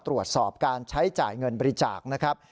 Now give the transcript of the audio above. ตรวจสอบการใช้จ่ายเงินบริจาคนะครับ